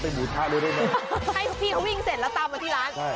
ให้พี่เขาวิ่งเสร็จแล้วตามมาที่ร้าน